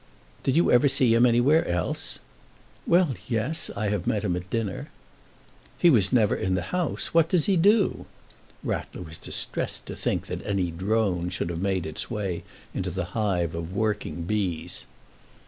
"Did you ever see him anywhere else?" "Well, yes; I have met him at dinner." "He was never in the House. What does he do?" Rattler was distressed to think that any drone should have made its way into the hive of working bees.